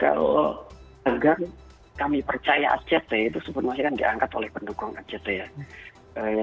kalau agar kami percaya act itu sebenarnya diangkat oleh pendukung act ya